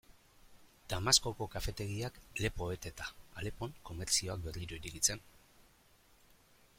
Damaskoko kafetegiak lepo beteta, Alepon komertzioak berriro irekitzen...